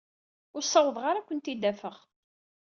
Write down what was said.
Ur ssawḍeɣ ara ad kent-id-afeɣ.